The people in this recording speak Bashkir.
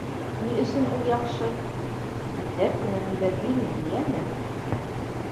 Ни өсөн ул яҡшы? һин ипләп кенә һөйләп бир инде, йәме?